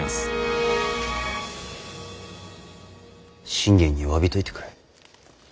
信玄に詫びといてくれ。